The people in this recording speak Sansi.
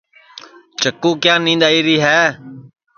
چکُو کیا نید آئی ہے